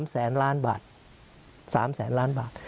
๓แสนล้านบาท๓แสนล้านบาท